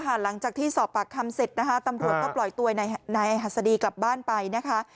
หลังจากที่สอบปากคำเสร็จนะคะตำรวจก็ปล่อยตัวนายหัสดีกลับบ้านไปนะคะ